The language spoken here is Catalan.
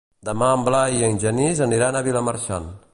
Demà en Blai i en Genís aniran a Vilamarxant.